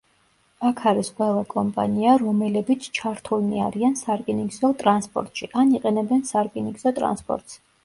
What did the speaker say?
აქ არის ყველა კომპანია, რომელებიც ჩართულნი არიან სარკინიგზო ტრანსპორტში, ან იყენებენ სარკინიგზო ტრანსპორტს.